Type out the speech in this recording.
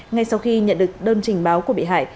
ngay sau khi nhận được đơn trình báo của bị hại